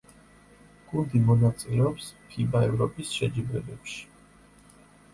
გუნდი მონაწილეობს ფიბა ევროპის შეჯიბრებებში.